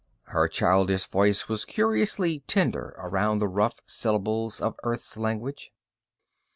Her childish voice was curiously tender around the rough syllables of Earth's language.